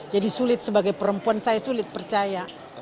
jadi sulit sebagai perempuan saya sulit percaya